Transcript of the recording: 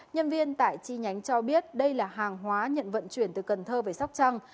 nhân viên tại chi nhánh cho biết đây là hàng hóa nhận vận chuyển từ cần thơ về sóc trăng